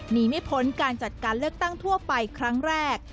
หนีไม่พ้นการจัดการเลือกตั้งทั่วไปครั้งแรก